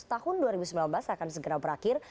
tahun dua ribu sembilan belas akan segera berakhir